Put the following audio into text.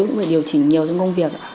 cũng phải điều chỉnh nhiều trong công việc